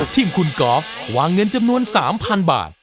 ทีมคุณกอล์ฟวางเงินจำนวน๓๐๐๐บาท